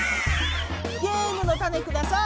ゲームのタネください。